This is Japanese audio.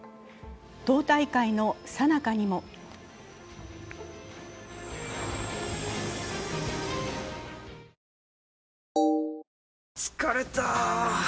党大会のさなかにも疲れた！